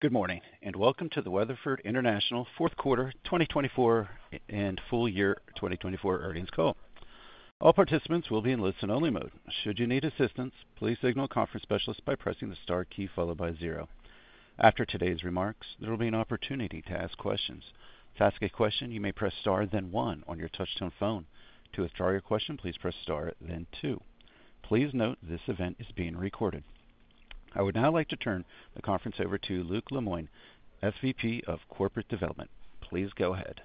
Good morning, and welcome to the Weatherford International Fourth Quarter 2024 and Full Year 2024 Earnings Call. All participants will be in listen-only mode. Should you need assistance, please signal a conference specialist by pressing the star key followed by zero. After today's remarks, there will be an opportunity to ask questions. To ask a question, you may press star, then one on your touch-tone phone. To withdraw your question, please press star, then two. Please note this event is being recorded. I would now like to turn the conference over to Luke Lemoine, SVP of Corporate Development. Please go ahead.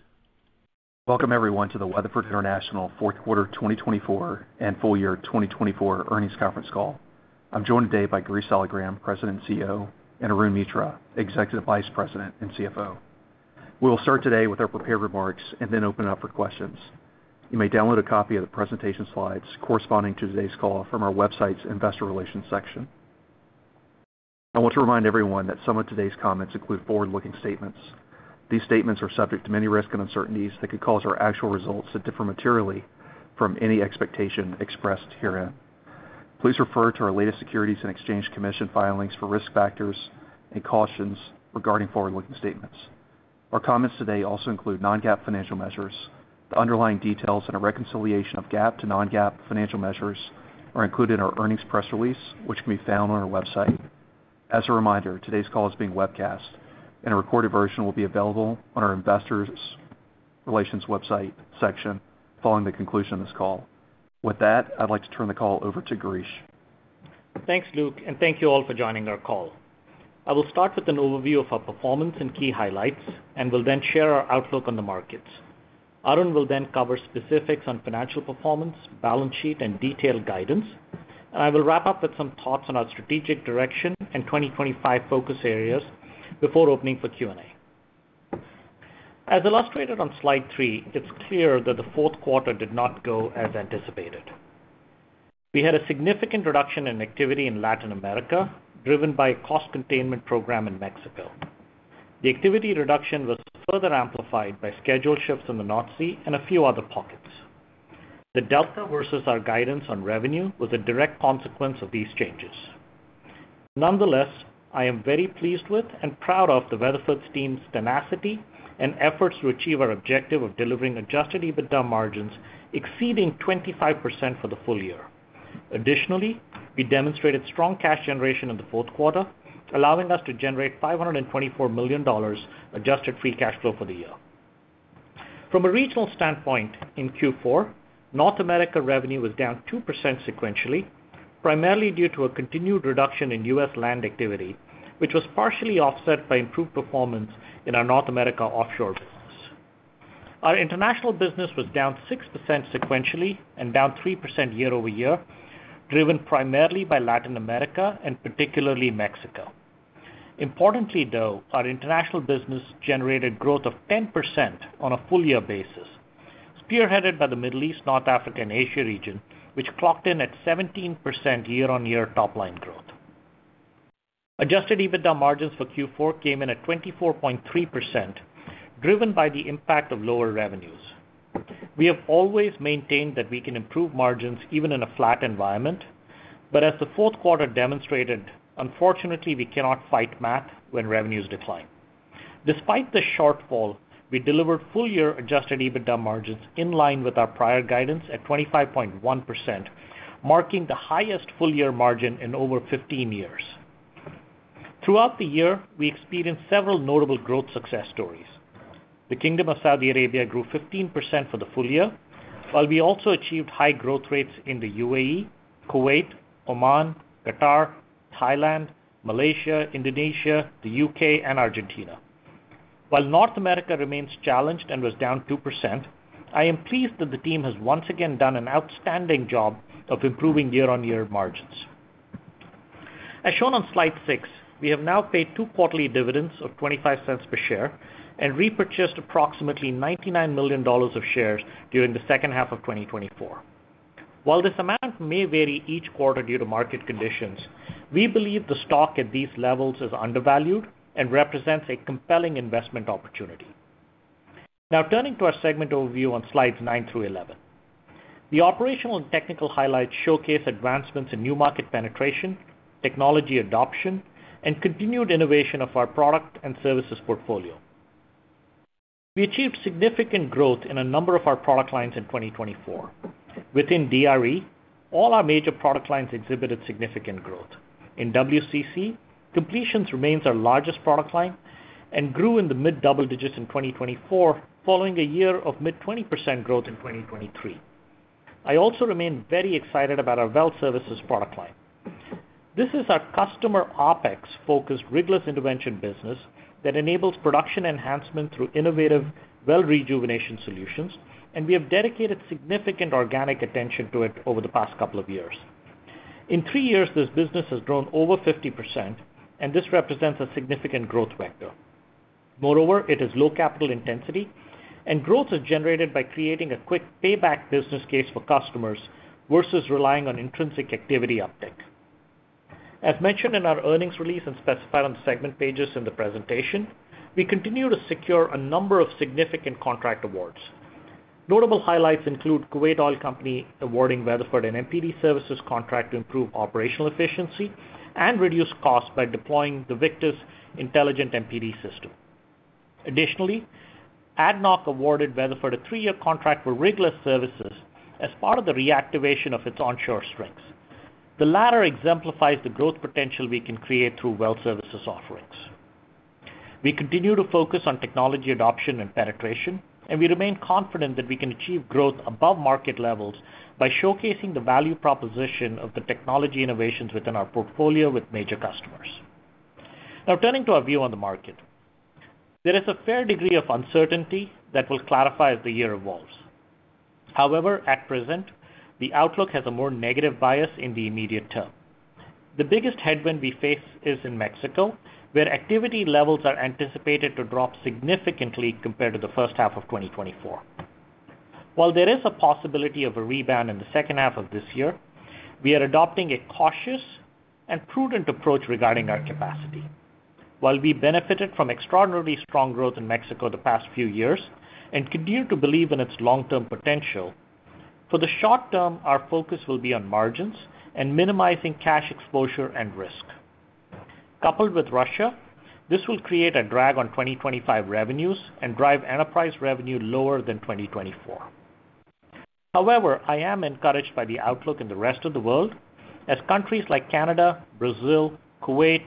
Welcome, everyone, to the Weatherford International Fourth Quarter 2024 and Full Year 2024 Earnings Conference Call. I'm joined today by Girish Saligram, President and CEO, and Arun Mitra, Executive Vice President and CFO. We will start today with our prepared remarks and then open up for questions. You may download a copy of the presentation slides corresponding to today's call from our website's Investor Relations section. I want to remind everyone that some of today's comments include forward-looking statements. These statements are subject to many risks and uncertainties that could cause our actual results to differ materially from any expectation expressed herein. Please refer to our latest Securities and Exchange Commission filings for risk factors and cautions regarding forward-looking statements. Our comments today also include non-GAAP financial measures. The underlying details and a reconciliation of GAAP to non-GAAP financial measures are included in our earnings press release, which can be found on our website. As a reminder, today's call is being webcast, and a recorded version will be available on our Investor Relations website section following the conclusion of this call. With that, I'd like to turn the call over to Girish. Thanks, Luke, and thank you all for joining our call. I will start with an overview of our performance and key highlights, and we'll then share our outlook on the markets. Arun will then cover specifics on financial performance, balance sheet, and detailed guidance, and I will wrap up with some thoughts on our strategic direction and 2025 focus areas before opening for Q&A. As illustrated on slide three, it's clear that the fourth quarter did not go as anticipated. We had a significant reduction in activity in Latin America, driven by a cost containment program in Mexico. The activity reduction was further amplified by schedule shifts in the North Sea and a few other pockets. The delta versus our guidance on revenue was a direct consequence of these changes. Nonetheless, I am very pleased with and proud of the Weatherford team's tenacity and efforts to achieve our objective of delivering Adjusted EBITDA margins exceeding 25% for the full year. Additionally, we demonstrated strong cash generation in the fourth quarter, allowing us to generate $524 million adjusted free cash flow for the year. From a regional standpoint, in Q4, North America revenue was down 2% sequentially, primarily due to a continued reduction in U.S. land activity, which was partially offset by improved performance in our North America offshore business. Our international business was down 6% sequentially and down 3% year-over-year, driven primarily by Latin America and particularly Mexico. Importantly, though, our international business generated growth of 10% on a full-year basis, spearheaded by the Middle East, North Africa, and Asia region, which clocked in at 17% year-on-year top-line growth. Adjusted EBITDA margins for Q4 came in at 24.3%, driven by the impact of lower revenues. We have always maintained that we can improve margins even in a flat environment, but as the fourth quarter demonstrated, unfortunately, we cannot fight math when revenues decline. Despite the shortfall, we delivered full-year adjusted EBITDA margins in line with our prior guidance at 25.1%, marking the highest full-year margin in over 15 years. Throughout the year, we experienced several notable growth success stories. The Kingdom of Saudi Arabia grew 15% for the full year, while we also achieved high growth rates in the UAE, Kuwait, Oman, Qatar, Thailand, Malaysia, Indonesia, the UK, and Argentina. While North America remains challenged and was down 2%, I am pleased that the team has once again done an outstanding job of improving year-on-year margins. As shown on slide six, we have now paid two quarterly dividends of $0.25 per share and repurchased approximately $99 million of shares during the second half of 2024. While this amount may vary each quarter due to market conditions, we believe the stock at these levels is undervalued and represents a compelling investment opportunity. Now, turning to our segment overview on slides nine through 11, the operational and technical highlights showcase advancements in new market penetration, technology adoption, and continued innovation of our product and services portfolio. We achieved significant growth in a number of our product lines in 2024. Within DRE, all our major product lines exhibited significant growth. In WCC, completions remains our largest product line and grew in the mid-double digits in 2024, following a year of mid-20% growth in 2023. I also remain very excited about our well services product line. This is our customer OPEX-focused rigless intervention business that enables production enhancement through innovative well rejuvenation solutions, and we have dedicated significant organic attention to it over the past couple of years. In three years, this business has grown over 50%, and this represents a significant growth vector. Moreover, it is low capital intensity, and growth is generated by creating a quick payback business case for customers versus relying on intrinsic activity uptake. As mentioned in our earnings release and specified on the segment pages in the presentation, we continue to secure a number of significant contract awards. Notable highlights include Kuwait Oil Company awarding Weatherford an MPD services contract to improve operational efficiency and reduce costs by deploying the Victus Intelligent MPD system. Additionally, ADNOC awarded Weatherford a three-year contract for rigless services as part of the reactivation of its onshore assets. The latter exemplifies the growth potential we can create through well services offerings. We continue to focus on technology adoption and penetration, and we remain confident that we can achieve growth above market levels by showcasing the value proposition of the technology innovations within our portfolio with major customers. Now, turning to our view on the market, there is a fair degree of uncertainty that will clarify as the year evolves. However, at present, the outlook has a more negative bias in the immediate term. The biggest headwind we face is in Mexico, where activity levels are anticipated to drop significantly compared to the first half of 2024. While there is a possibility of a rebound in the second half of this year, we are adopting a cautious and prudent approach regarding our capacity. While we benefited from extraordinarily strong growth in Mexico the past few years and continue to believe in its long-term potential, for the short term, our focus will be on margins and minimizing cash exposure and risk. Coupled with Russia, this will create a drag on 2025 revenues and drive enterprise revenue lower than 2024. However, I am encouraged by the outlook in the rest of the world, as countries like Canada, Brazil, Kuwait,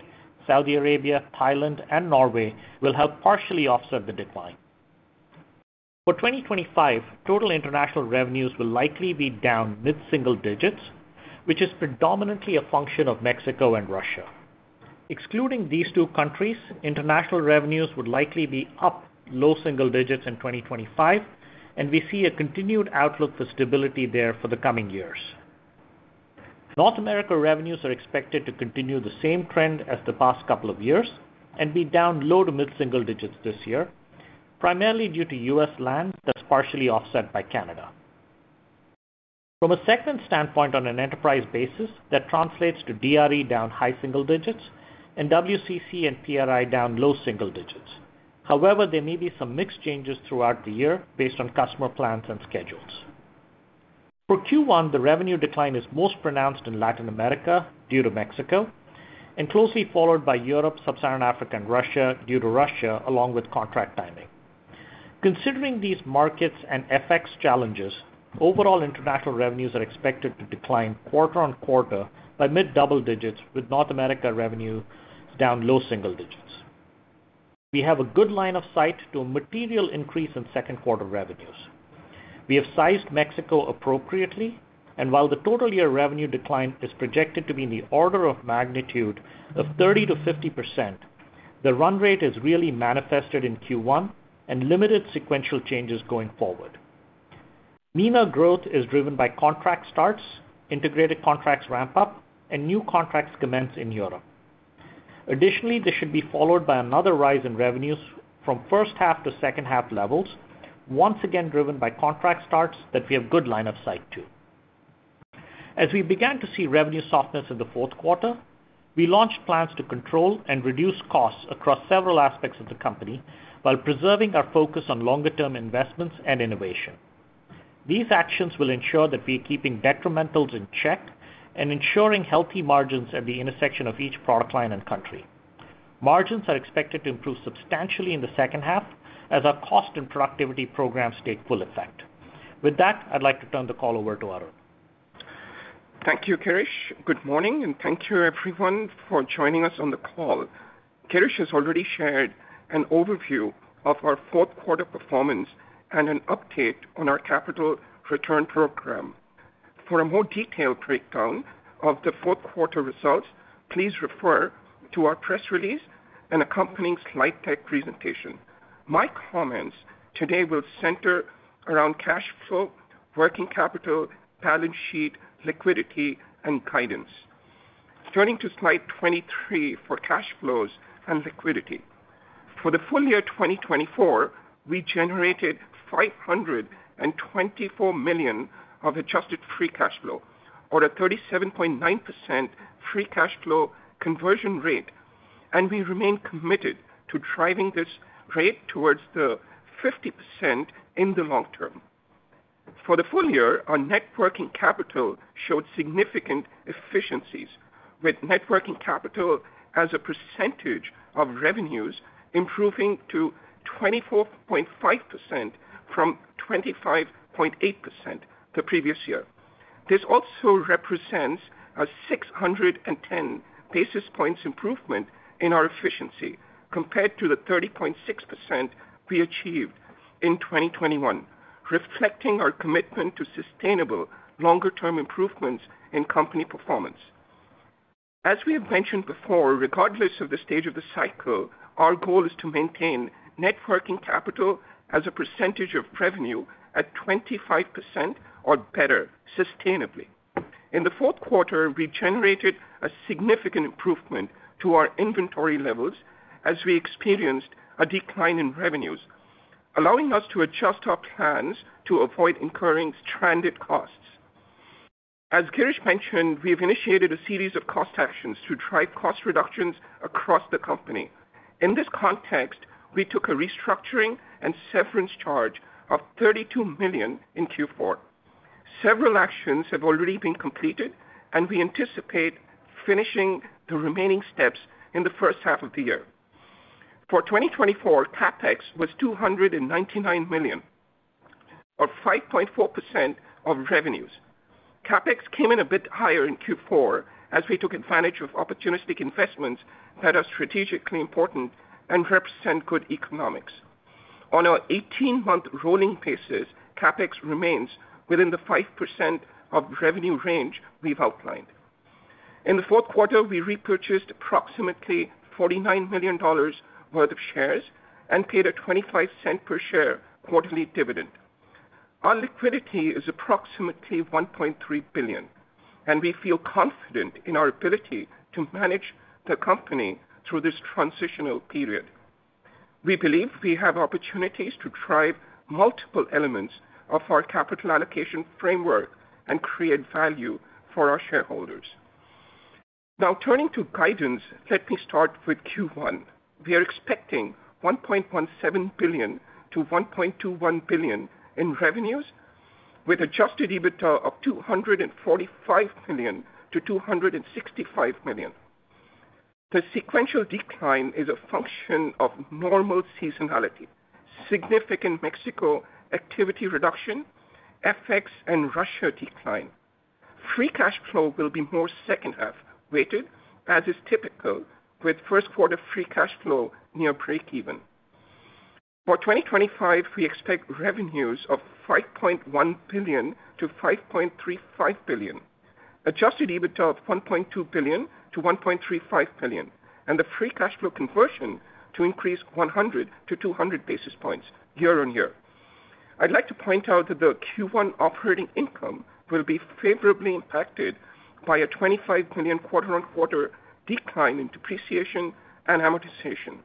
Saudi Arabia, Thailand, and Norway will help partially offset the decline. For 2025, total international revenues will likely be down mid-single digits, which is predominantly a function of Mexico and Russia. Excluding these two countries, international revenues would likely be up low single digits in 2025, and we see a continued outlook for stability there for the coming years. North America revenues are expected to continue the same trend as the past couple of years and be down low to mid-single digits this year, primarily due to U.S. land that's partially offset by Canada. From a segment standpoint, on an enterprise basis, that translates to DRE down high single digits and WCC and PRI down low single digits. However, there may be some mixed changes throughout the year based on customer plans and schedules. For Q1, the revenue decline is most pronounced in Latin America due to Mexico, and closely followed by Europe, Sub-Saharan Africa, and Russia due to Russia, along with contract timing. Considering these markets and FX challenges, overall international revenues are expected to decline quarter-on-quarter by mid-double digits, with North America revenue down low single digits. We have a good line of sight to a material increase in second quarter revenues. We have sized Mexico appropriately, and while the total year revenue decline is projected to be in the order of magnitude of 30%-50%, the run rate is really manifested in Q1 and limited sequential changes going forward. MENA growth is driven by contract starts, integrated contracts ramp up, and new contracts commence in Europe. Additionally, this should be followed by another rise in revenues from first half to second half levels, once again driven by contract starts that we have good line of sight to. As we began to see revenue softness in the fourth quarter, we launched plans to control and reduce costs across several aspects of the company while preserving our focus on longer-term investments and innovation. These actions will ensure that we are keeping detrimentals in check and ensuring healthy margins at the intersection of each product line and country. Margins are expected to improve substantially in the second half as our cost and productivity programs take full effect. With that, I'd like to turn the call over to Arun. Thank you, Girish. Good morning, and thank you, everyone, for joining us on the call. Girish has already shared an overview of our fourth quarter performance and an update on our capital return program. For a more detailed breakdown of the fourth quarter results, please refer to our press release and accompanying slide deck presentation. My comments today will center around cash flow, working capital, balance sheet, liquidity, and guidance. Turning to slide 23 for cash flows and liquidity. For the full year 2024, we generated $524 million of adjusted free cash flow, or a 37.9% free cash flow conversion rate, and we remain committed to driving this rate towards the 50% in the long term. For the full year, our working capital showed significant efficiencies, with working capital as a percentage of revenues improving to 24.5% from 25.8% the previous year. This also represents a 610 basis points improvement in our efficiency compared to the 30.6% we achieved in 2021, reflecting our commitment to sustainable longer-term improvements in company performance. As we have mentioned before, regardless of the stage of the cycle, our goal is to maintain net working capital as a percentage of revenue at 25% or better sustainably. In the fourth quarter, we generated a significant improvement to our inventory levels as we experienced a decline in revenues, allowing us to adjust our plans to avoid incurring stranded costs. As Girish mentioned, we have initiated a series of cost actions to drive cost reductions across the company. In this context, we took a restructuring and severance charge of $32 million in Q4. Several actions have already been completed, and we anticipate finishing the remaining steps in the first half of the year. For 2024, CAPEX was $299 million, or 5.4% of revenues. CAPEX came in a bit higher in Q4 as we took advantage of opportunistic investments that are strategically important and represent good economics. On an 18-month rolling basis, CAPEX remains within the 5% of revenue range we've outlined. In the fourth quarter, we repurchased approximately $49 million worth of shares and paid a $0.25 per share quarterly dividend. Our liquidity is approximately $1.3 billion, and we feel confident in our ability to manage the company through this transitional period. We believe we have opportunities to drive multiple elements of our capital allocation framework and create value for our shareholders. Now, turning to guidance, let me start with Q1. We are expecting $1.17 billion-$1.21 billion in revenues, with Adjusted EBITDA of $245 million-$265 million. The sequential decline is a function of normal seasonality, significant Mexico activity reduction, FX, and Russia decline. Free cash flow will be more second half weighted, as is typical with first quarter free cash flow near breakeven. For 2025, we expect revenues of $5.1 billion-$5.35 billion, adjusted EBITDA of $1.2 billion-$1.35 billion, and the free cash flow conversion to increase 100-200 basis points year on year. I'd like to point out that the Q1 operating income will be favorably impacted by a $25 million quarter on quarter decline in depreciation and amortization.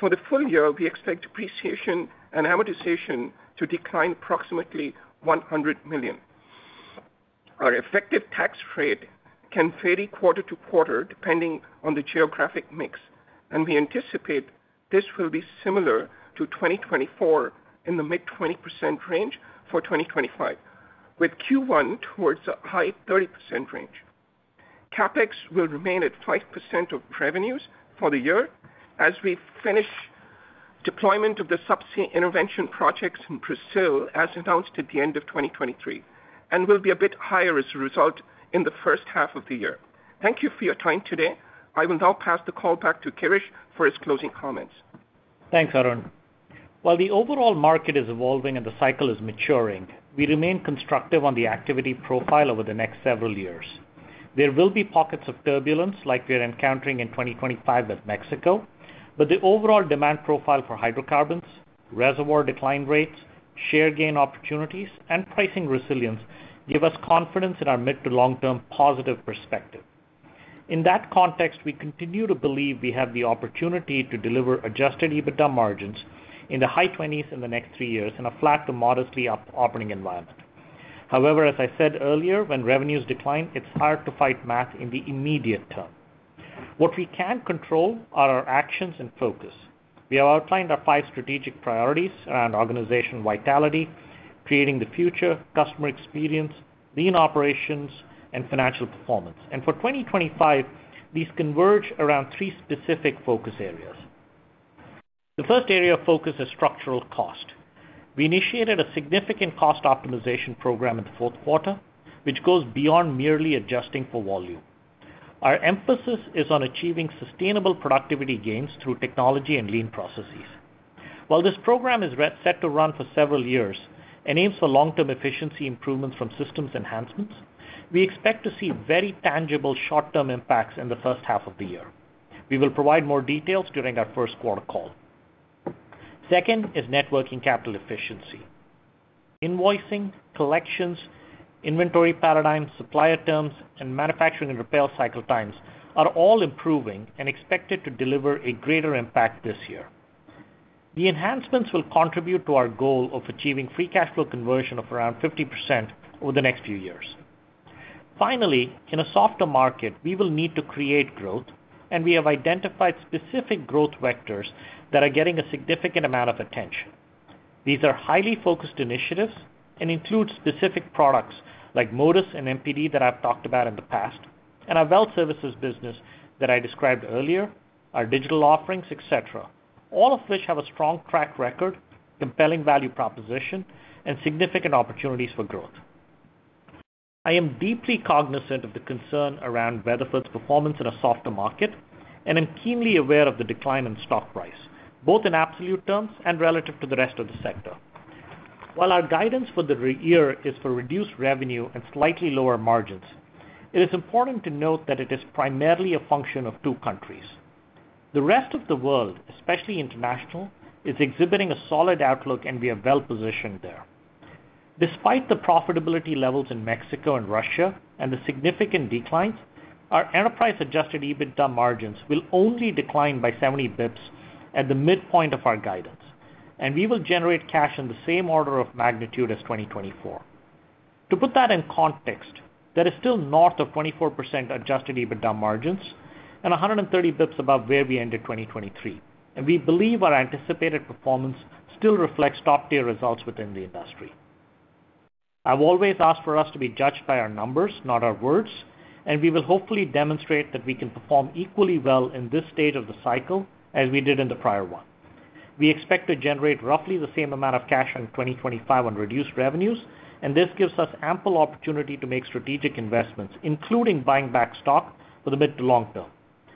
For the full year, we expect depreciation and amortization to decline approximately $100 million. Our effective tax rate can vary quarter to quarter depending on the geographic mix, and we anticipate this will be similar to 2024 in the mid-20% range for 2025, with Q1 towards a high 30% range. CapEx will remain at 5% of revenues for the year as we finish deployment of the subsea intervention projects in Brazil, as announced at the end of 2023, and will be a bit higher as a result in the first half of the year. Thank you for your time today. I will now pass the call back to Girish for his closing comments. Thanks, Arun. While the overall market is evolving and the cycle is maturing, we remain constructive on the activity profile over the next several years. There will be pockets of turbulence like we are encountering in 2025 with Mexico, but the overall demand profile for hydrocarbons, reservoir decline rates, share gain opportunities, and pricing resilience give us confidence in our mid to long-term positive perspective. In that context, we continue to believe we have the opportunity to deliver Adjusted EBITDA margins in the high 20's in the next three years in a flat to modestly up operating environment. However, as I said earlier, when revenues decline, it's hard to fight math in the immediate term. What we can control are our actions and focus. We have outlined our five strategic priorities around organizational vitality, creating the future, customer experience, lean operations, and financial performance. For 2025, these converge around three specific focus areas. The first area of focus is structural cost. We initiated a significant cost optimization program in the fourth quarter, which goes beyond merely adjusting for volume. Our emphasis is on achieving sustainable productivity gains through technology and lean processes. While this program is set to run for several years and aims for long-term efficiency improvements from systems enhancements, we expect to see very tangible short-term impacts in the first half of the year. We will provide more details during our first quarter call. Second is net working capital efficiency. Invoicing, collections, inventory paradigm, supplier terms, and manufacturing and repair cycle times are all improving and expected to deliver a greater impact this year. The enhancements will contribute to our goal of achieving free cash flow conversion of around 50% over the next few years. Finally, in a softer market, we will need to create growth, and we have identified specific growth vectors that are getting a significant amount of attention. These are highly focused initiatives and include specific products like Modus and MPD that I've talked about in the past, and our well services business that I described earlier, our digital offerings, et cetera, all of which have a strong track record, compelling value proposition, and significant opportunities for growth. I am deeply cognizant of the concern around Weatherford's performance in a softer market, and I'm keenly aware of the decline in stock price, both in absolute terms and relative to the rest of the sector. While our guidance for the year is for reduced revenue and slightly lower margins, it is important to note that it is primarily a function of two countries. The rest of the world, especially international, is exhibiting a solid outlook, and we are well positioned there. Despite the profitability levels in Mexico and Russia and the significant declines, our enterprise adjusted EBITDA margins will only decline by 70 basis points at the midpoint of our guidance, and we will generate cash in the same order of magnitude as 2024. To put that in context, there is still north of 24% adjusted EBITDA margins and 130 basis points above where we ended 2023, and we believe our anticipated performance still reflects top-tier results within the industry. I've always asked for us to be judged by our numbers, not our words, and we will hopefully demonstrate that we can perform equally well in this stage of the cycle as we did in the prior one. We expect to generate roughly the same amount of cash in 2025 on reduced revenues, and this gives us ample opportunity to make strategic investments, including buying back stock for the mid to long term,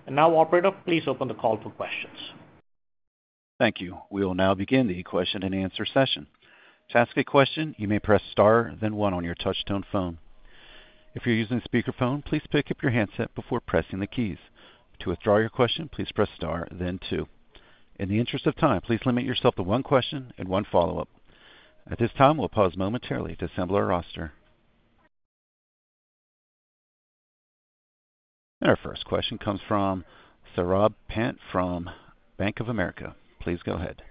and now, Operator, please open the call for questions. Thank you. We will now begin the question and answer session. To ask a question, you may press star, then one on your touch-tone phone. If you're using speakerphone, please pick up your handset before pressing the keys. To withdraw your question, please press star, then two. In the interest of time, please limit yourself to one question and one follow-up. At this time, we'll pause momentarily to assemble our roster. And our first question comes from Saurabh Pant from Bank of America. Please go ahead.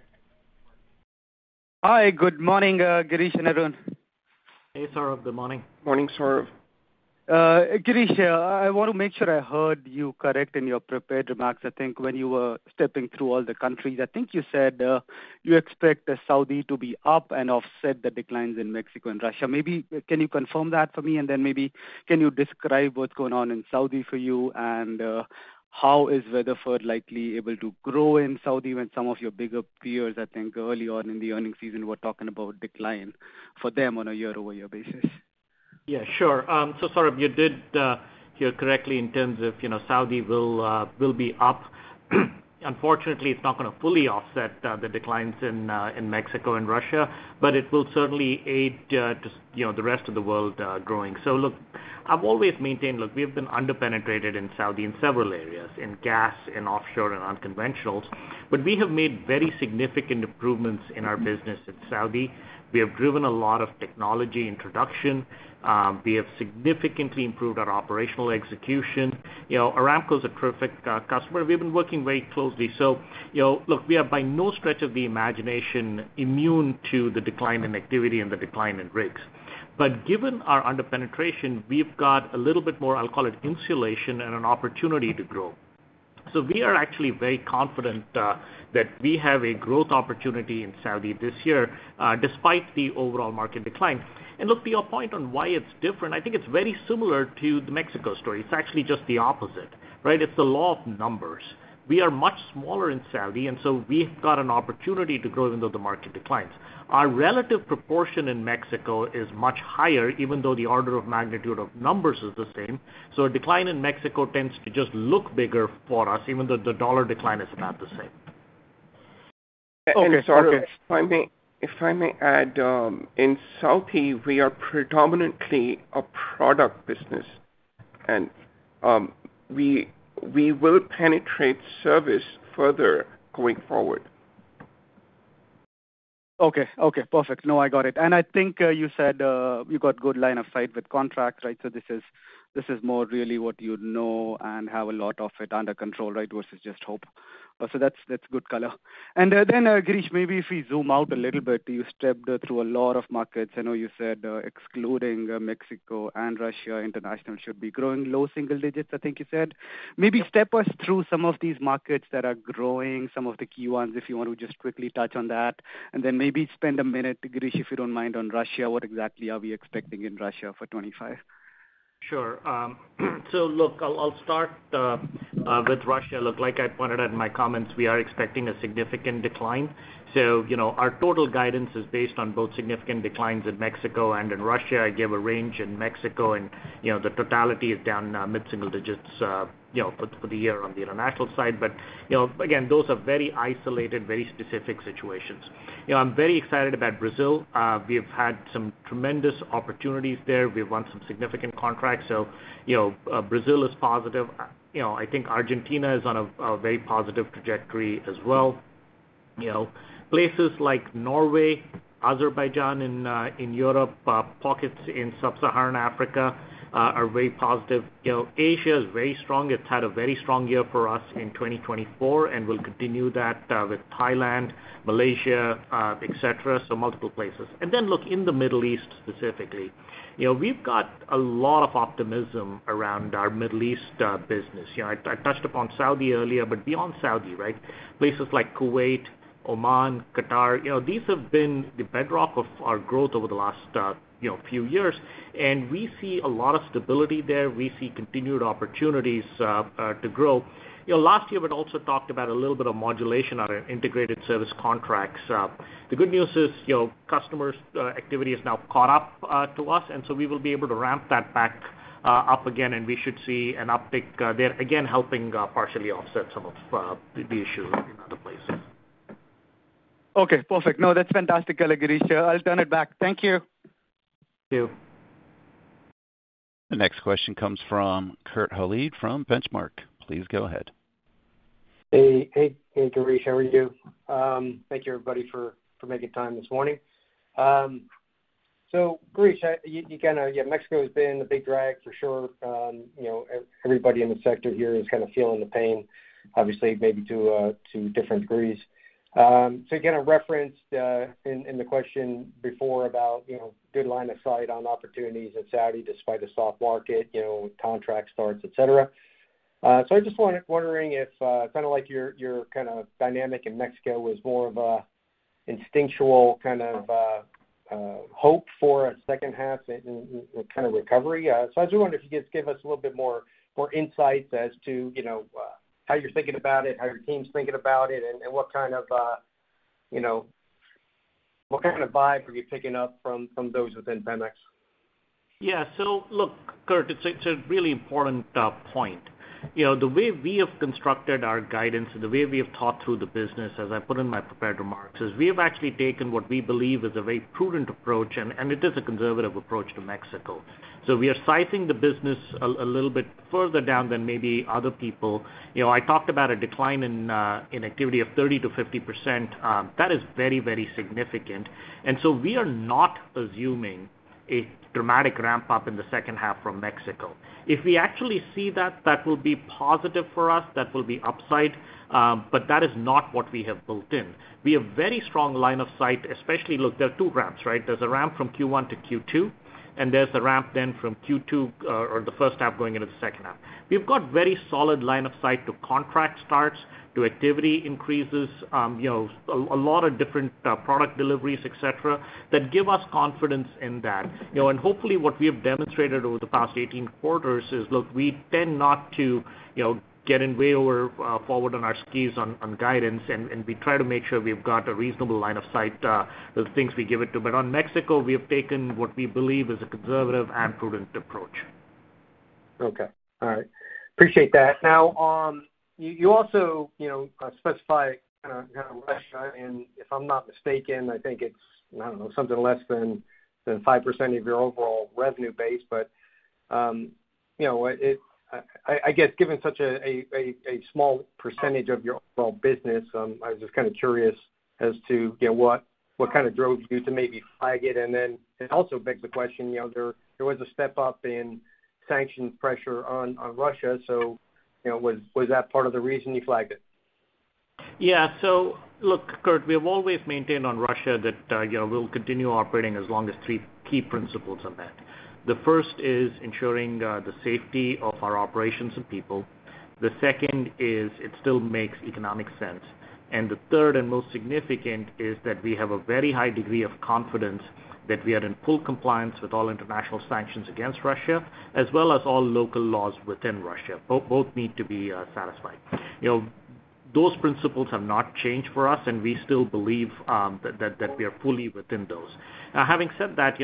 Hi, good morning, Girish and Arun. Hey, Saurabh, good morning. Morning, Saurabh. Girish, I want to make sure I heard you correctly and you're prepared to max. I think when you were stepping through all the countries, I think you said you expect the Saudi to be up and offset the declines in Mexico and Russia. Maybe can you confirm that for me? And then maybe can you describe what's going on in Saudi for you and how is Weatherford likely able to grow in Saudi when some of your bigger peers, I think earlier on in the earnings season, were talking about decline for them on a year-over-year basis? Yeah, sure. So, Saurabh, you did hear correctly in terms of Saudi will be up. Unfortunately, it's not going to fully offset the declines in Mexico and Russia, but it will certainly aid the rest of the world growing. So, look, I've always maintained, look, we have been underpenetrated in Saudi in several areas, in gas, in offshore, and unconventionals, but we have made very significant improvements in our business in Saudi. We have driven a lot of technology introduction. We have significantly improved our operational execution. Aramco is a terrific customer. We've been working very closely. So, look, we are by no stretch of the imagination immune to the decline in activity and the decline in rigs. But given our underpenetration, we've got a little bit more, I'll call it insulation and an opportunity to grow. We are actually very confident that we have a growth opportunity in Saudi this year despite the overall market decline. Look, to your point on why it's different, I think it's very similar to the Mexico story. It's actually just the opposite, right? It's the law of numbers. We are much smaller in Saudi, and so we've got an opportunity to grow even though the market declines. Our relative proportion in Mexico is much higher, even though the order of magnitude of numbers is the same. So a decline in Mexico tends to just look bigger for us, even though the dollar decline is about the same. Okay, Saurabh, if I may add, in Saudi, we are predominantly a product business, and we will penetrate service further going forward. Okay, okay, perfect. No, I got it. And I think you said you got good line of sight with contracts, right? So this is more really what you know and have a lot of it under control, right, versus just hope. So that's good color. And then, Girish, maybe if we zoom out a little bit, you stepped through a lot of markets. I know you said excluding Mexico and Russia, international should be growing low single digits, I think you said. Maybe step us through some of these markets that are growing, some of the key ones, if you want to just quickly touch on that. And then maybe spend a minute, Girish, if you don't mind, on Russia. What exactly are we expecting in Russia for 2025? Sure. So, look, I'll start with Russia. Look, like I pointed out in my comments, we are expecting a significant decline. So our total guidance is based on both significant declines in Mexico and in Russia. I gave a range in Mexico, and the totality is down mid-single digits for the year on the international side. But again, those are very isolated, very specific situations. I'm very excited about Brazil. We've had some tremendous opportunities there. We've won some significant contracts. So Brazil is positive. I think Argentina is on a very positive trajectory as well. Places like Norway, Azerbaijan in Europe, pockets in Sub-Saharan Africa are very positive. Asia is very strong. It's had a very strong year for us in 2024 and will continue that with Thailand, Malaysia, et cetera. So multiple places. And then, look, in the Middle East specifically, we've got a lot of optimism around our Middle East business. I touched upon Saudi earlier, but beyond Saudi, right? Places like Kuwait, Oman, Qatar, these have been the bedrock of our growth over the last few years, and we see a lot of stability there. We see continued opportunities to grow. Last year, we'd also talked about a little bit of modulation on our integrated service contracts. The good news is customer activity has now caught up to us, and so we will be able to ramp that back up again, and we should see an uptick there again, helping partially offset some of the issues in other places. Okay, perfect. No, that's fantastic color, Girish. I'll turn it back. Thank you. Thank you. The next question comes from Kurt Hallead from Benchmark. Please go ahead. Hey, Girish, how are you? Thank you, everybody, for making time this morning. So, Girish, again, Mexico has been the big drag for sure. Everybody in the sector here is kind of feeling the pain, obviously, maybe to different degrees. You kind of referenced in the question before about good line of sight on opportunities in Saudi despite a soft market, contract starts, et cetera. I just wondering if kind of like your kind of dynamic in Mexico was more of an instinctual kind of hope for a second half and kind of recovery. I just wonder if you could just give us a little bit more insights as to how you're thinking about it, how your team's thinking about it, and what kind of vibe are you picking up from those within Pemex? Yeah. So, look, Kurt, it's a really important point. The way we have constructed our guidance and the way we have thought through the business, as I put in my prepared remarks, is we have actually taken what we believe is a very prudent approach, and it is a conservative approach to Mexico. So we are sizing the business a little bit further down than maybe other people. I talked about a decline in activity of 30%-50%. That is very, very significant. And so we are not assuming a dramatic ramp-up in the second half from Mexico. If we actually see that, that will be positive for us. That will be upside. But that is not what we have built in. We have a very strong line of sight, especially, look, there are two ramps, right? There's a ramp from Q1 to Q2, and there's a ramp then from Q2 or the first half going into the second half. We've got a very solid line of sight to contract starts, to activity increases, a lot of different product deliveries, et cetera, that give us confidence in that. And hopefully, what we have demonstrated over the past 18 quarters is, look, we tend not to get way over our skis on guidance, and we try to make sure we've got a reasonable line of sight with the things we give it to. But on Mexico, we have taken what we believe is a conservative and prudent approach. Okay. All right. Appreciate that. Now, you also specify kind of Russia, and if I'm not mistaken, I think it's, I don't know, something less than 5% of your overall revenue base. But I guess given such a small percentage of your overall business, I was just kind of curious as to what kind of drove you to maybe flag it. And then it also begs the question, there was a step up in sanctions pressure on Russia. So was that part of the reason you flagged it? Yeah. So, look, Kurt, we have always maintained on Russia that we'll continue operating as long as three key principles are met. The first is ensuring the safety of our operations and people. The second is it still makes economic sense. And the third and most significant is that we have a very high degree of confidence that we are in full compliance with all international sanctions against Russia, as well as all local laws within Russia. Both need to be satisfied. Those principles have not changed for us, and we still believe that we are fully within those. Having said that,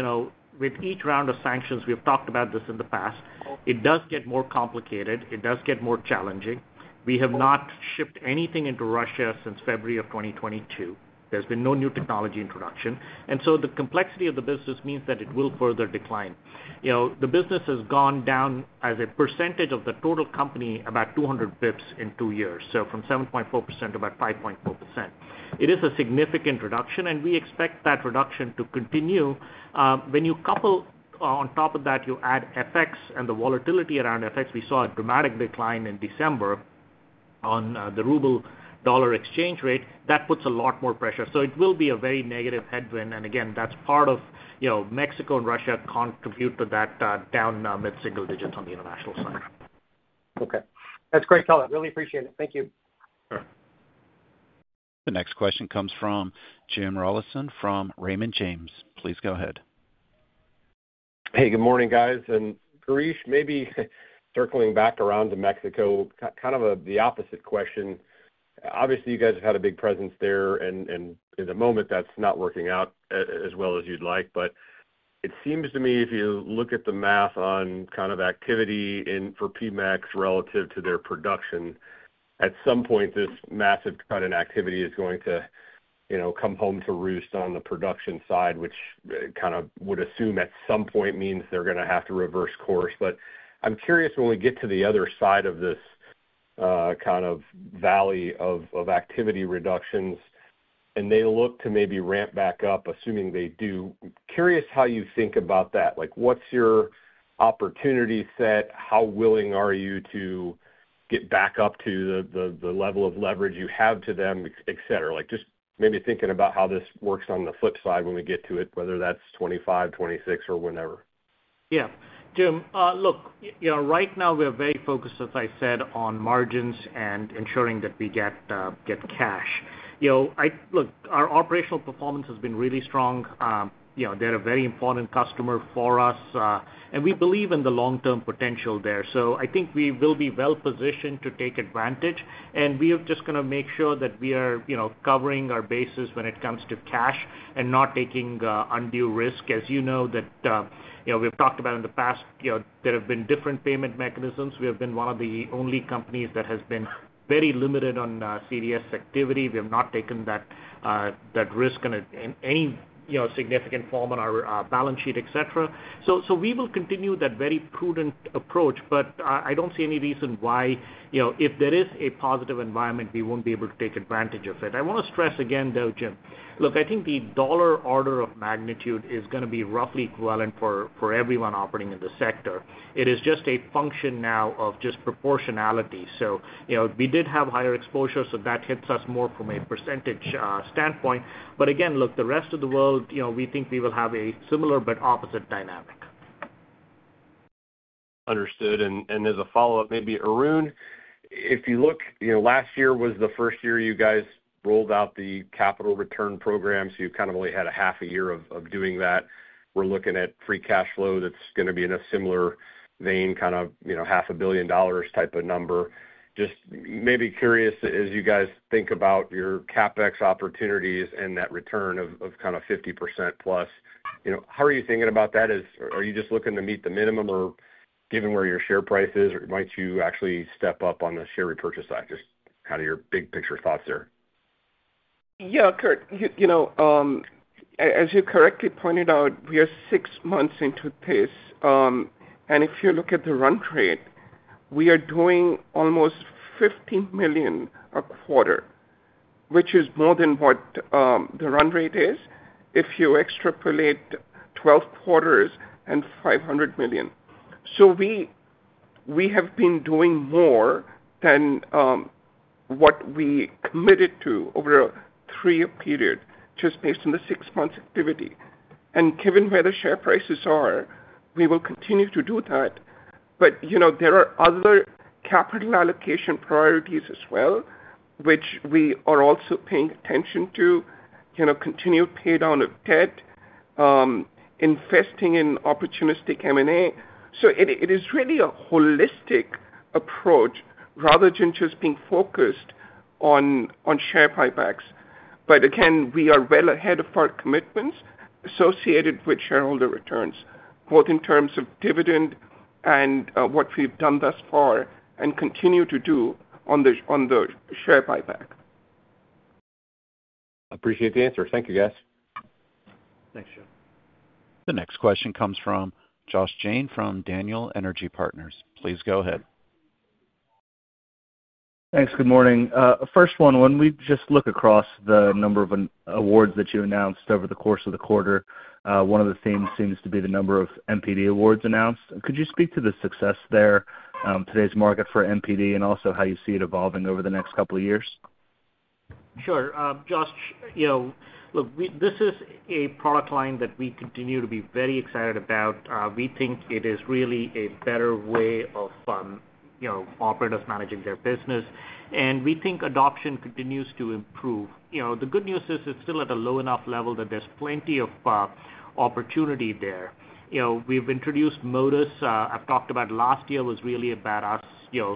with each round of sanctions, we have talked about this in the past, it does get more complicated. It does get more challenging. We have not shipped anything into Russia since February of 2022. There's been no new technology introduction. The complexity of the business means that it will further decline. The business has gone down as a percentage of the total company about 200 basis points in two years, from 7.4% to about 5.4%. It is a significant reduction, and we expect that reduction to continue. When you couple on top of that, you add FX and the volatility around FX, we saw a dramatic decline in December on the ruble-dollar exchange rate. That puts a lot more pressure. It will be a very negative headwind. Again, that's part of Mexico and Russia contribute to that down mid-single digits on the international side. Okay. That's great, color. Really appreciate it. Thank you. Sure. The next question comes from Jim Rollyson from Raymond James. Please go ahead. Hey, good morning, guys, and Girish, maybe circling back around to Mexico, kind of the opposite question. Obviously, you guys have had a big presence there, and in the moment, that's not working out as well as you'd like. But it seems to me, if you look at the math on kind of activity for Pemex relative to their production, at some point, this massive cut in activity is going to come home to roost on the production side, which kind of would assume at some point means they're going to have to reverse course. But I'm curious when we get to the other side of this kind of valley of activity reductions, and they look to maybe ramp back up, assuming they do. Curious how you think about that. What's your opportunity set? How willing are you to get back up to the level of leverage you have to them, et cetera? Just maybe thinking about how this works on the flip side when we get to it, whether that's 2025, 2026, or whenever. Yeah. Jim, look, right now, we're very focused, as I said, on margins and ensuring that we get cash. Look, our operational performance has been really strong. They're a very important customer for us, and we believe in the long-term potential there, so I think we will be well-positioned to take advantage, and we are just going to make sure that we are covering our bases when it comes to cash and not taking undue risk. As you know, that we've talked about in the past, there have been different payment mechanisms. We have been one of the only companies that has been very limited on SCF activity. We have not taken that risk in any significant form on our balance sheet, et cetera. So we will continue that very prudent approach, but I don't see any reason why if there is a positive environment, we won't be able to take advantage of it. I want to stress again though, Jim, look, I think the dollar order of magnitude is going to be roughly equivalent for everyone operating in the sector. It is just a function now of just proportionality. So we did have higher exposure, so that hits us more from a percentage standpoint. But again, look, the rest of the world, we think we will have a similar but opposite dynamic. Understood. And as a follow-up, maybe Arun, if you look, last year was the first year you guys rolled out the capital return program, so you kind of only had a half a year of doing that. We're looking at free cash flow that's going to be in a similar vein, kind of $500 million type of number. Just maybe curious, as you guys think about your CapEx opportunities and that return of kind of 50% plus, how are you thinking about that? Are you just looking to meet the minimum or given where your share price is, or might you actually step up on the share repurchase side? Just kind of your big picture thoughts there. Yeah, Kurt, as you correctly pointed out, we are six months into this. And if you look at the run rate, we are doing almost $15 million a quarter, which is more than what the run rate is if you extrapolate 12 quarters and $500 million. So we have been doing more than what we committed to over a three-year period just based on the six-month activity. And given where the share prices are, we will continue to do that. But there are other capital allocation priorities as well, which we are also paying attention to: continued paydown of debt, investing in opportunistic M&A. So it is really a holistic approach rather than just being focused on share buybacks. But again, we are well ahead of our commitments associated with shareholder returns, both in terms of dividend and what we've done thus far and continue to do on the share buyback. Appreciate the answer. Thank you, guys. Thanks, Jon. The next question comes from Josh Jayne from Daniel Energy Partners. Please go ahead. Thanks. Good morning. First one, when we just look across the number of awards that you announced over the course of the quarter, one of the themes seems to be the number of MPD awards announced. Could you speak to the success there, today's market for MPD, and also how you see it evolving over the next couple of years? Sure. Josh, look, this is a product line that we continue to be very excited about. We think it is really a better way of operators managing their business, and we think adoption continues to improve. The good news is it's still at a low enough level that there's plenty of opportunity there. We've introduced Modus. I've talked about last year was really about us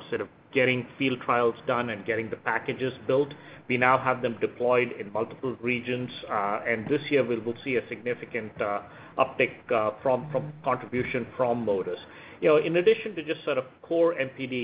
sort of getting field trials done and getting the packages built. We now have them deployed in multiple regions, and this year, we will see a significant uptick from contribution from Modus. In addition to just sort of core MPD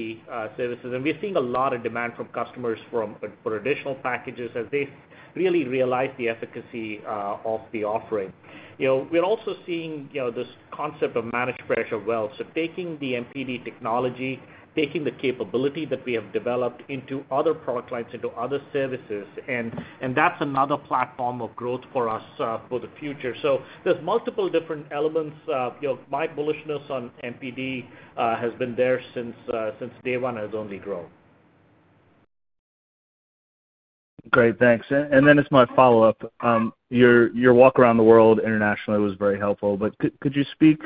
services, and we're seeing a lot of demand from customers for additional packages as they really realize the efficacy of the offering. We're also seeing this concept of managed pressure well. So taking the MPD technology, taking the capability that we have developed into other product lines, into other services, and that's another platform of growth for us for the future. So there's multiple different elements. My bullishness on MPD has been there since day one, has only grown. Great. Thanks. And then it's my follow-up. Your walk around the world internationally was very helpful. But could you speak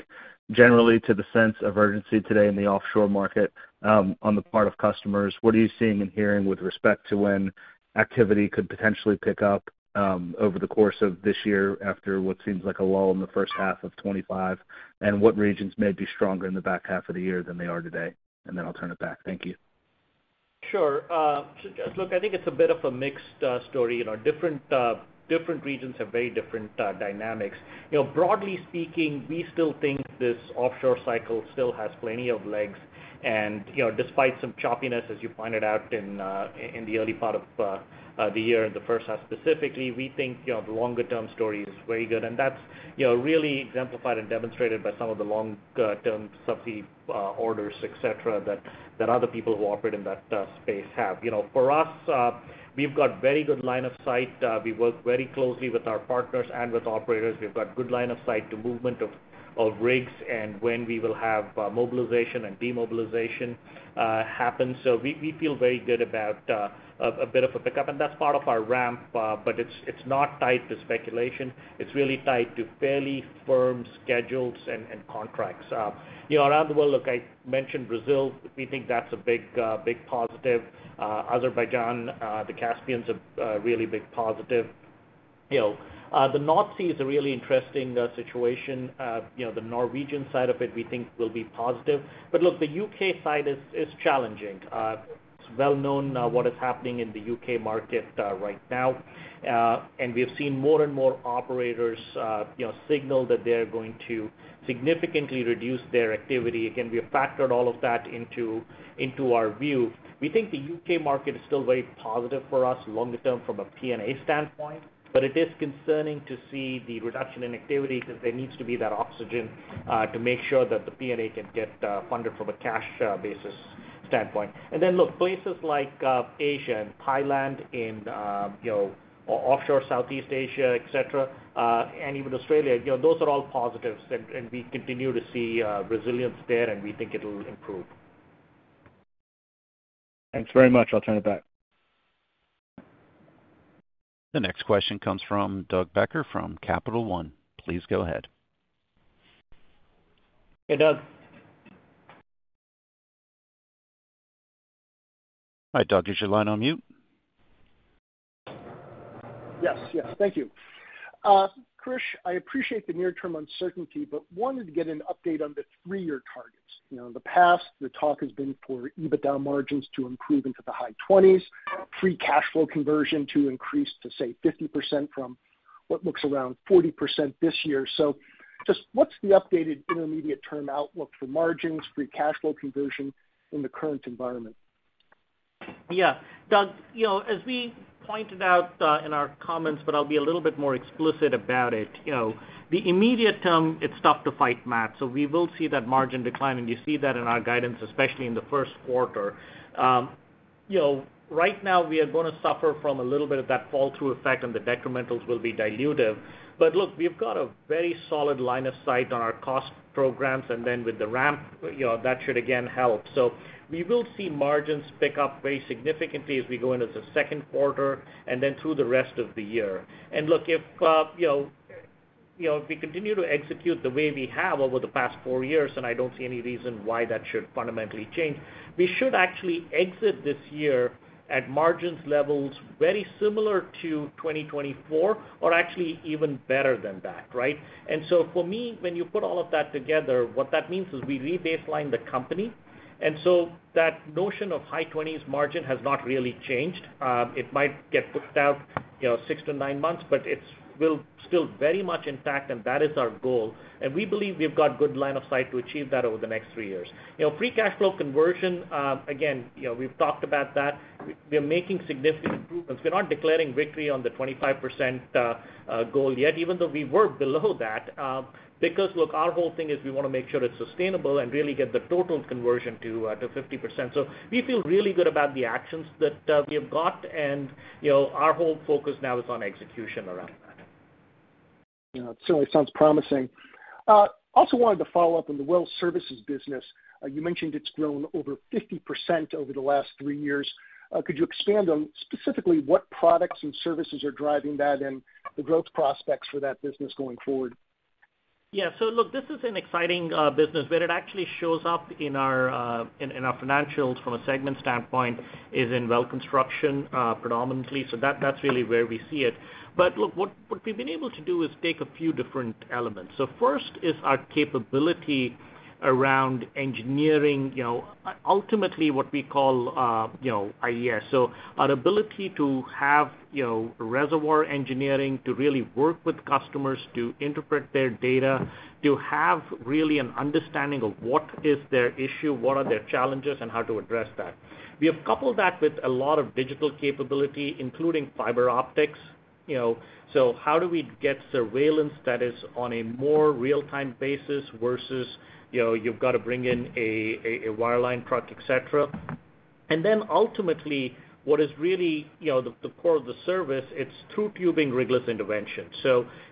generally to the sense of urgency today in the offshore market on the part of customers? What are you seeing and hearing with respect to when activity could potentially pick up over the course of this year after what seems like a lull in the first half of 2025? And what regions may be stronger in the back half of the year than they are today? And then I'll turn it back. Thank you. Sure. Look, I think it's a bit of a mixed story. Different regions have very different dynamics. Broadly speaking, we still think this offshore cycle still has plenty of legs. And despite some choppiness, as you pointed out in the early part of the year and the first half specifically, we think the longer-term story is very good. And that's really exemplified and demonstrated by some of the long-term subsea orders, et cetera, that other people who operate in that space have. For us, we've got very good line of sight. We work very closely with our partners and with operators. We've got good line of sight to movement of rigs and when we will have mobilization and demobilization happen. So we feel very good about a bit of a pickup. And that's part of our ramp, but it's not tied to speculation. It's really tied to fairly firm schedules and contracts. Around the world, look, I mentioned Brazil. We think that's a big positive. Azerbaijan, the Caspian is a really big positive. The North Sea is a really interesting situation. The Norwegian side of it, we think, will be positive, but look, the UK side is challenging. It's well known what is happening in the UK market right now, and we have seen more and more operators signal that they're going to significantly reduce their activity. Again, we have factored all of that into our view. We think the UK market is still very positive for us longer term from a P&A standpoint, but it is concerning to see the reduction in activity because there needs to be that oxygen to make sure that the P&A can get funded from a cash basis standpoint. And then look, places like Asia and Thailand in offshore Southeast Asia, et cetera, and even Australia, those are all positives. And we continue to see resilience there, and we think it'll improve. Thanks very much. I'll turn it back. The next question comes from Doug Becker from Capital One. Please go ahead. Hey, Doug. Hi, Doug. Is your line on mute? Yes. Yes. Thank you. Girish, I appreciate the near-term uncertainty, but wanted to get an update on the three-year targets. In the past, the talk has been for EBITDA margins to improve into the high 20s, free cash flow conversion to increase to, say, 50% from what looks around 40% this year. So just what's the updated intermediate-term outlook for margins, free cash flow conversion in the current environment? Yeah. Doug, as we pointed out in our comments, but I'll be a little bit more explicit about it. The immediate term, it's tough to fight that. So we will see that margin decline, and you see that in our guidance, especially in the first quarter. Right now, we are going to suffer from a little bit of that fall-through effect, and the detrimentals will be dilutive. But look, we've got a very solid line of sight on our cost programs, and then with the ramp, that should again help. So we will see margins pick up very significantly as we go into the second quarter and then through the rest of the year. And look, if we continue to execute the way we have over the past four years, and I don't see any reason why that should fundamentally change, we should actually exit this year at margins levels very similar to 2024 or actually even better than that, right? And so for me, when you put all of that together, what that means is we rebaseline the company. And so that notion of high-20's margin has not really changed. It might get pushed out six-to-nine months, but it will still be very much intact, and that is our goal. And we believe we've got a good line of sight to achieve that over the next three years. Free cash flow conversion, again, we've talked about that. We are making significant improvements. We're not declaring victory on the 25% goal yet, even though we were below that. Because look, our whole thing is we want to make sure it's sustainable and really get the total conversion to 50%. So we feel really good about the actions that we have got, and our whole focus now is on execution around that. Yeah. It certainly sounds promising. Also wanted to follow up on the well services business. You mentioned it's grown over 50% over the last three years. Could you expand on specifically what products and services are driving that and the growth prospects for that business going forward? Yeah. So look, this is an exciting business. Where it actually shows up in our financials from a segment standpoint is in well construction predominantly. So that's really where we see it. But look, what we've been able to do is take a few different elements. So first is our capability around engineering, ultimately what we call IES. So our ability to have reservoir engineering to really work with customers to interpret their data, to have really an understanding of what is their issue, what are their challenges, and how to address that. We have coupled that with a lot of digital capability, including fiber optics. So how do we get surveillance that is on a more real-time basis versus you've got to bring in a wireline truck, et cetera? And then ultimately, what is really the core of the service, it's through-tubing rigless intervention.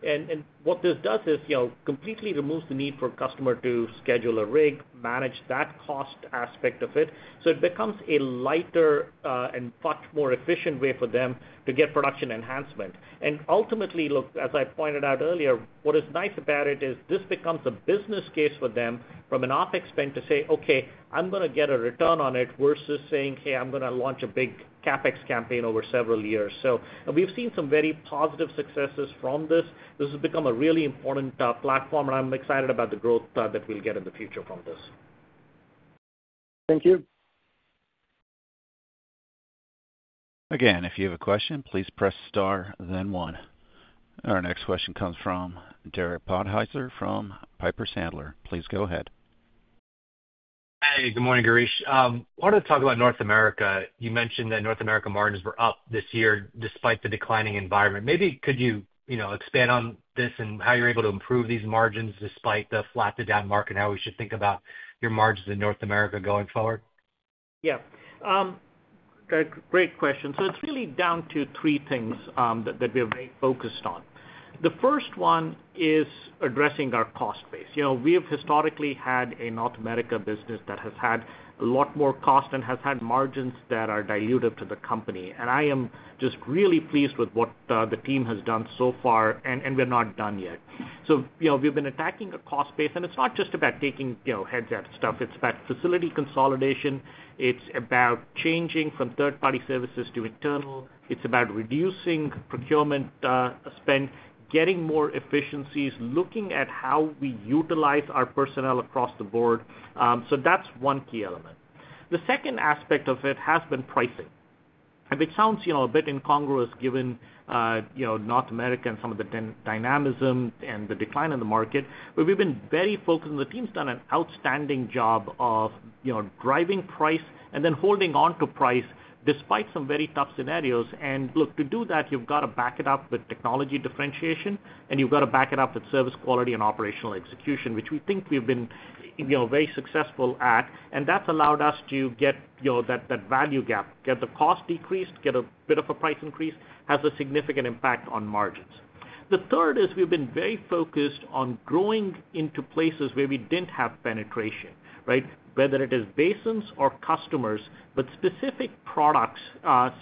and what this does is completely removes the need for a customer to schedule a rig, manage that cost aspect of it. so it becomes a lighter and much more efficient way for them to get production enhancement. and ultimately, look, as I pointed out earlier, what is nice about it is this becomes a business case for them from an OpEx to say, "Okay, I'm going to get a return on it," versus saying, "Hey, I'm going to launch a big CapEx campaign over several years." so we've seen some very positive successes from this. This has become a really important platform, and I'm excited about the growth that we'll get in the future from this. Thank you. Again, if you have a question, please press star, then one. Our next question comes from Derek Podhaizer from Piper Sandler. Please go ahead. Hey. Good morning, Girish. I wanted to talk about North America. You mentioned that North America margins were up this year despite the declining environment. Maybe could you expand on this and how you're able to improve these margins despite the flat to down market and how we should think about your margins in North America going forward? Yeah. Great question. So it's really down to three things that we are very focused on. The first one is addressing our cost base. We have historically had a North America business that has had a lot more cost and has had margins that are dilutive to the company. And I am just really pleased with what the team has done so far, and we're not done yet. So we've been attacking a cost base, and it's not just about taking headcount stuff. It's about facility consolidation. It's about changing from third-party services to internal. It's about reducing procurement spend, getting more efficiencies, looking at how we utilize our personnel across the board. So that's one key element. The second aspect of it has been pricing. And it sounds a bit incongruous given North America and some of the dynamism and the decline in the market, but we've been very focused. And the team's done an outstanding job of driving price and then holding on to price despite some very tough scenarios. And look, to do that, you've got to back it up with technology differentiation, and you've got to back it up with service quality and operational execution, which we think we've been very successful at. And that's allowed us to get that value gap, get the cost decreased, get a bit of a price increase, has a significant impact on margins. The third is we've been very focused on growing into places where we didn't have penetration, right? Whether it is basins or customers, but specific products,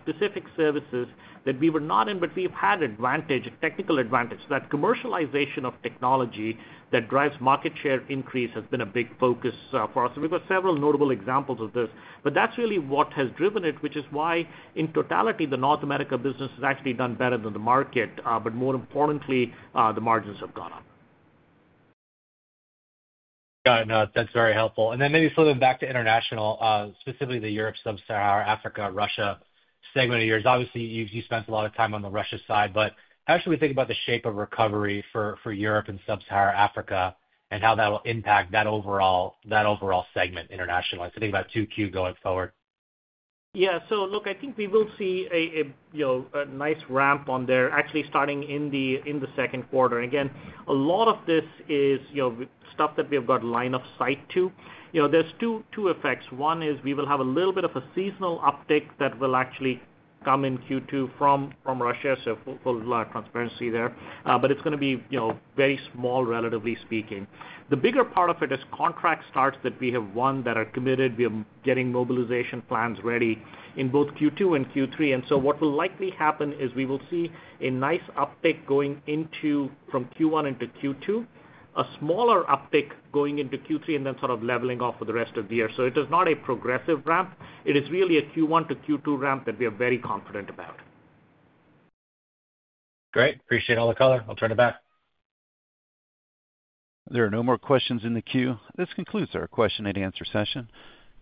specific services that we were not in, but we've had advantage, technical advantage. That commercialization of technology that drives market share increase has been a big focus for us. And we've got several notable examples of this, but that's really what has driven it, which is why in totality, the North America business has actually done better than the market, but more importantly, the margins have gone up. Got it. No, that's very helpful. And then maybe flipping back to international, specifically the Europe-Sub-Saharan Africa-Russia segment of yours. Obviously, you spent a lot of time on the Russia side, but how should we think about the shape of recovery for Europe and Sub-Saharan Africa and how that will impact that overall segment internationally? So think about Q2 going forward. Yeah. So look, I think we will see a nice ramp on there actually starting in the second quarter. And again, a lot of this is stuff that we have got line of sight to. There's two effects. One is we will have a little bit of a seasonal uptick that will actually come in Q2 from Russia. So full transparency there. But it's going to be very small, relatively speaking. The bigger part of it is contract starts that we have won that are committed. We are getting mobilization plans ready in both Q2 and Q3. And so what will likely happen is we will see a nice uptick going from Q1 into Q2, a smaller uptick going into Q3, and then sort of leveling off for the rest of the year. So it is not a progressive ramp. It is really a Q1 to Q2 ramp that we are very confident about. Great. Appreciate all the color. I'll turn it back. There are no more questions in the queue. This concludes our question and answer session.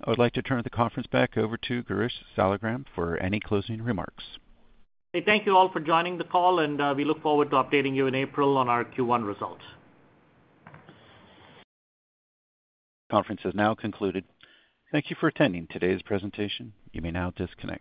I would like to turn the conference back over to Girish Saligram for any closing remarks. Hey, thank you all for joining the call, and we look forward to updating you in April on our Q1 results. The conference has now concluded. Thank you for attending today's presentation. You may now disconnect.